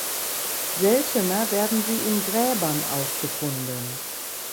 Seltener werden sie in Gräbern aufgefunden.